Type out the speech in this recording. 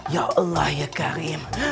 ya allah ya karim